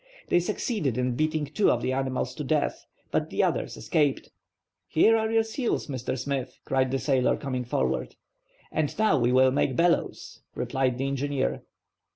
They succeeded in beating two of the animals to death, but the others escaped. "Here are your seals, Mr. Smith," cried the sailor, coming forward. "And now we will make bellows," replied the engineer.